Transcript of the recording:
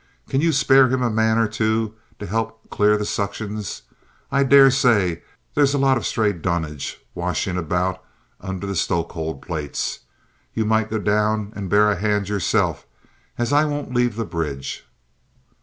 Can you spare him a man or two to help clear the suctions? I daresay there's a lot of stray dunnage washing about under the stoke hold plates. You might go down and bear a hand yourself, as I won't leave the bridge."